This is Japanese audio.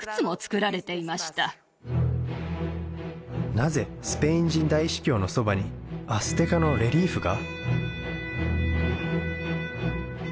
なぜスペイン人大司教のそばにアステカのレリーフが？